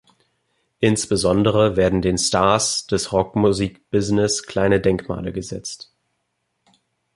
Insbesondere werden den Stars des Rockmusik-Business kleine Denkmale gesetzt.